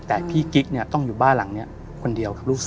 แต่พี่กิ๊กเนี่ยต้องอยู่บ้านหลังนี้คนเดียวกับลูกสาว